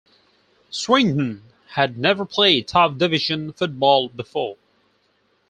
Swindon had never played top-division football before.